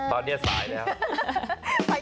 ตอนนี้สายแล้ว